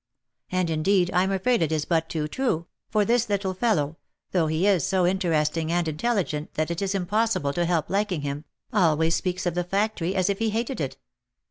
And indeed I am afraid it is but too true, for this little fellow, though he is so interesting and intelligent that it is impossible to help liking him, always speaks of the factory as if he hated it."